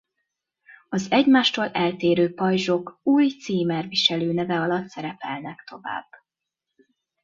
Az egymástól eltérő pajzsok új címerviselő neve alatt szerepelnek tovább.